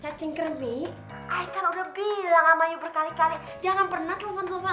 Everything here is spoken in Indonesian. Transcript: cacing kremi aikan udah bilang ama you berkali kali jangan pernah telpon telpon